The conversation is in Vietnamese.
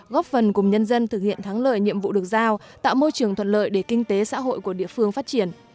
góp phần cùng nhân dân thực hiện thắng lợi nhiệm vụ được giao tạo môi trường thuận lợi để kinh tế xã hội của địa phương phát triển